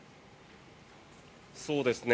そうですね。